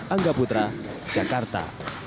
angga putra jakarta